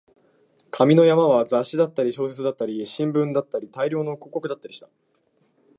紙の山は雑誌だったり、小説だったり、新聞だったり、大量の広告だったりした